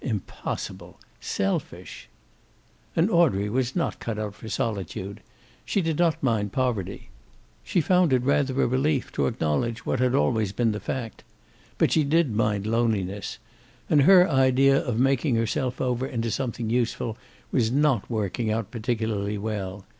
Impossible! Selfish! And Audrey was not cut out for solitude. She did not mind poverty. She found it rather a relief to acknowledge what had always been the fact. But she did mind loneliness. And her idea of making herself over into something useful was not working out particularly well.